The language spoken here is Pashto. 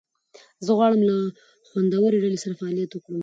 زه غواړم له خوندورې ډلې سره فعالیت وکړم.